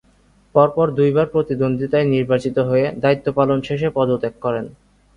পর পর দুইবার প্রতিদ্বন্দীতায় নির্বাচিত হয়ে দায়িত্ব পালন শেষে পদত্যাগ করেন।